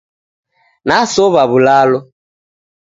Nasowa wulalo